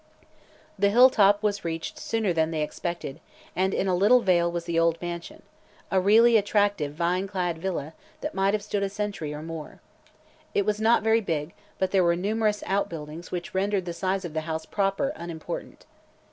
The hilltop was reached sooner than they expected, and in a little vale was the old mansion a really attractive vine clad villa that might have stood a century or so. It was not very big, but there were numerous outbuildings which rendered the size of the house proper unimportant.